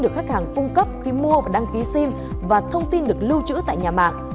được khách hàng cung cấp khi mua và đăng ký sim và thông tin được lưu trữ tại nhà mạng